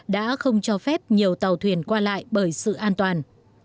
đã không cho phép nhiều tàu thuyền qua lại bởi sự an toàn